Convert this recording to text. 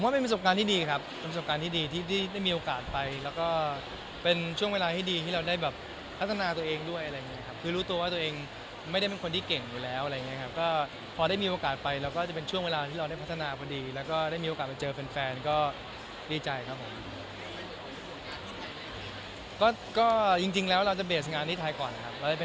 ว่าเป็นประสบการณ์ที่ดีครับเป็นประสบการณ์ที่ดีที่ได้มีโอกาสไปแล้วก็เป็นช่วงเวลาที่ดีที่เราได้แบบพัฒนาตัวเองด้วยอะไรอย่างเงี้ครับคือรู้ตัวว่าตัวเองไม่ได้เป็นคนที่เก่งอยู่แล้วอะไรอย่างเงี้ครับก็พอได้มีโอกาสไปเราก็จะเป็นช่วงเวลาที่เราได้พัฒนาพอดีแล้วก็ได้มีโอกาสไปเจอแฟนก็ดีใจครับผม